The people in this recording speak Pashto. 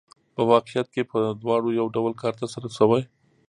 په واقعیت کې په دواړو یو ډول کار ترسره شوی